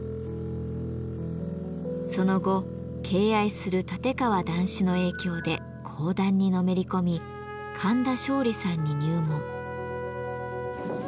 その後敬愛する立川談志の影響で講談にのめり込み神田松鯉さんに入門。